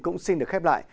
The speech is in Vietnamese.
cũng xin được khép lại